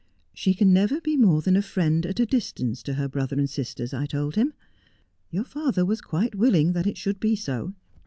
She can never be more than a friend at a dis tance to her brothers and sisters, I told him. Your father was quite willing that it should be so.